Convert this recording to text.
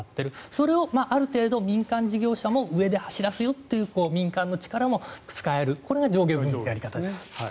それをある程度、民間事業者も上で走らせようという民間の力も使えるこれが上下分離のやり方です。